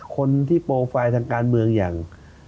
คนที่โปรไฟล์ทางการเมืองอย่าง